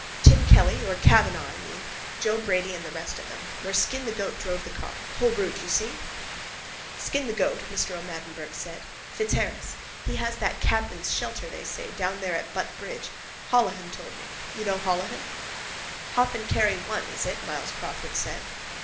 Tim Kelly, or Kavanagh I mean. Joe Brady and the rest of them. Where Skin the Goat drove the car. Whole route, see? —Skin the Goat, Mr O'Madden Burke said. Fitzharris. He has that cabman's shelter, they say, down there at Butt bridge. Holohan told me. You know Holohan? —Hop and carry one, is it? Myles Crawford said.